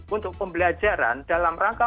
untuk pembelajaran dalam rangka